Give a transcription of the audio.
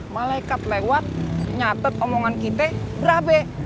malaikat lewat nyatet omongan kita berabe